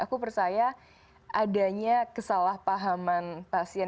aku percaya adanya kesalahpahaman pasien